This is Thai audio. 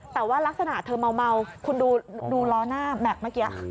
แต่ว่ารักษณะเธอเมาคุณดูล้อหน้าแม็กซ์เมื่อกี้